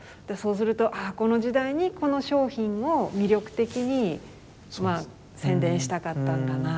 そうするとああこの時代にこの商品を魅力的に宣伝したかったんだなとか。